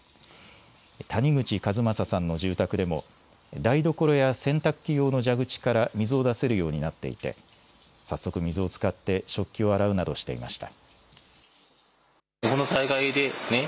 谷口和正さんの住宅でも台所や洗濯機用の蛇口から水を出せるようになっていて早速、水を使って食器を洗うなどしていました。